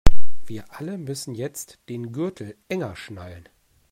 Wir alle müssen jetzt den Gürtel enger schnallen.